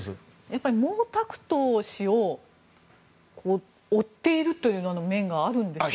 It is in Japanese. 毛沢東氏を追っているという面があるんでしょうか。